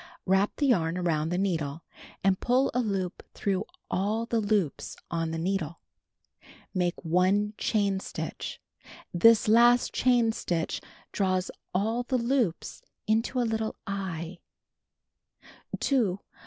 Wrap the yarn around the needle, and pull a loop through all the loops on the needle. Make 1 chain stitch. This last chain stitch draws all the loops into a little "eye."